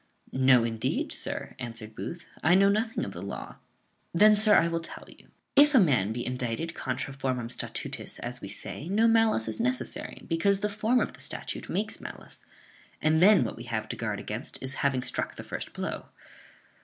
"No, indeed, sir," answered Booth, "I know nothing of the law." "Then, sir, I will tell you If a man be indicted contra formam tatutis, as we say, no malice is necessary, because the form of the statute makes malice; and then what we have to guard against is having struck the first blow.